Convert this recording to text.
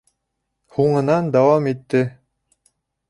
Һуңынан дауам итте::